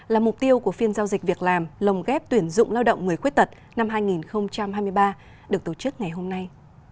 là mục tiêu của phiên giao dịch việc làm lồng ghép tuyển dụng lao động người khuyết tật năm hai nghìn hai mươi ba được tổ chức ngày hôm nay